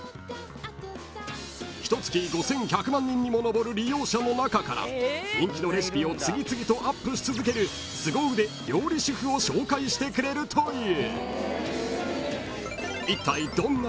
［ひと月５，１００万人にも上る利用者の中から人気のレシピを次々とアップし続けるすご腕料理主婦を紹介してくれるという］